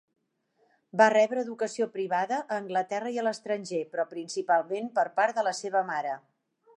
Va rebre educació privada, a Anglaterra i a l'estranger, però principalment per part de la seva mare.